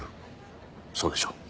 そうでしょう？